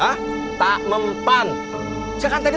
padahal untuk pace